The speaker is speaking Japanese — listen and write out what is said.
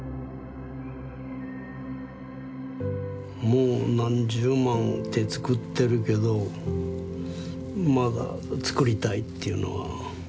もう何十万って作ってるけどまだ作りたいっていうのは。